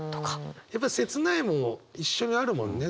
やっぱり切ないもの一緒にあるもんね